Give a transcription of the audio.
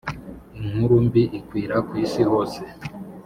inkuru mbi ikwira kw’isi hose